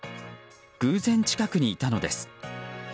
偶然、近くにいたのです。